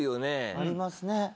ありますね。